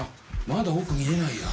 まだ奥見えないや。